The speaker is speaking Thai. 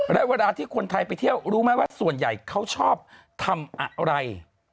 และเวลาที่คนไทยไปเที่ยวรู้ไหมว่าส่วนใหญ่เขาชอบทำอะไร